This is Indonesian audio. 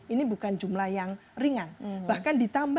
ini bukan jumlah yang ringan